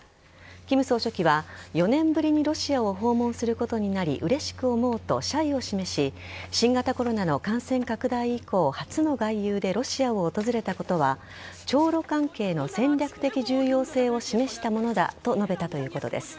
金総書記は、４年ぶりにロシアを訪問することになりうれしく思うと謝意を示し新型コロナの感染拡大以降初の外遊でロシアを訪れたことは朝露関係の戦略的重要性を示したものだと述べたということです。